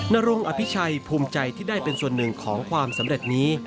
นรงอภิชัยภูมิใจที่ได้เป็นส่วนหนึ่งของความสำเร็จนี้